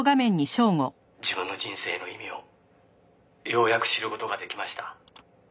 「自分の人生の意味をようやく知る事ができました」